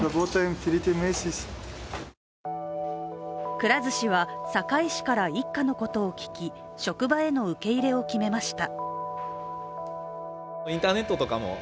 くら寿司は堺市から一家のことを聞き職場への受け入れを決めました。